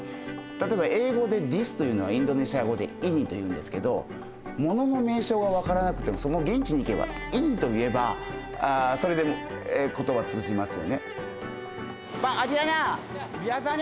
例えば英語でディスというのはインドネシア語でイニというんですけどものの名称が分からなくてもその現地に行けばイニと言えばそれで言葉は通じますよね。